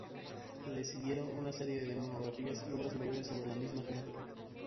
Le siguieron una serie de monografías y obras mayores sobre la misma temática.